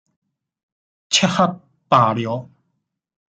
切赫巴尼奥。